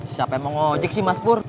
siapa yang mau ojek sih mas pur